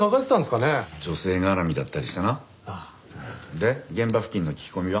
で現場付近の聞き込みは？